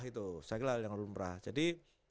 itu saya kira hal yang lumrah jadi